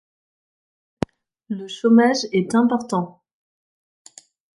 Le chômage est important.